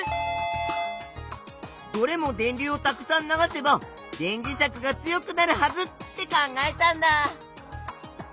どれも電流をたくさん流せば電磁石が強くなるはずって考えたんだ！